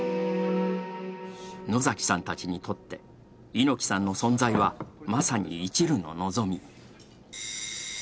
野崎さんたちにとって、猪木さんの存在はまさにいちるの望み。